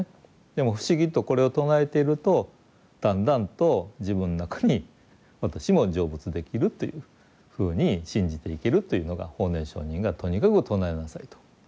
でも不思議とこれを唱えているとだんだんと自分の中に私も成仏できるというふうに信じて生きるというのが法然上人がとにかく唱えなさいと。